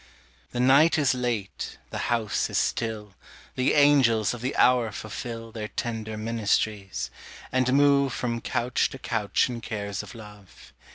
The night is late, the house is still; The angels of the hour fulfil Their tender ministries, and move From couch to couch in cares of love.